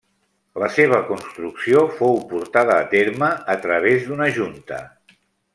La seva construcció fou portada a terme a través d'una junta.